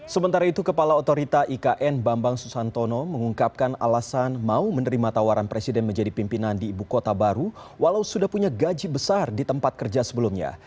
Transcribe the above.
sementara itu kepala otorita ikn bambang susantono mengungkapkan alasan mau menerima tawaran presiden menjadi pimpinan di ibu kota baru walau sudah punya gaji besar di tempat kerja sebelumnya